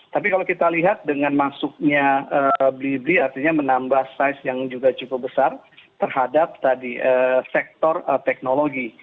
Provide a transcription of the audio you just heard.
tapi kalau kita lihat dengan masuknya blibli artinya menambah size yang juga cukup besar terhadap tadi sektor teknologi